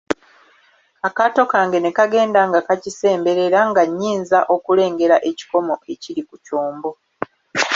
Akaato kange ne kagenda nga kakisemberera; nga nnyinza okulengera ekikomo ekiri ku kyombo.